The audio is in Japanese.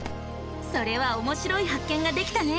それはおもしろい発見ができたね！